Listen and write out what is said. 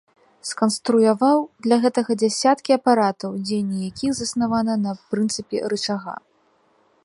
Сканструяваў для гэтага дзясяткі апаратаў, дзеянне якіх заснавана на прынцыпе рычага.